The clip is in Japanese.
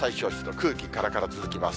空気からから続きます。